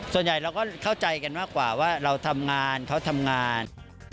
ส่วนใหญ่เราก็เข้าใจกันมากกว่าว่าเราทำงานเขาทำงาน